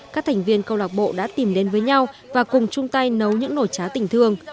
các thành viên câu lạc bộ đã tìm đến với nhau và cùng chung tay nấu những nổi trá tình thương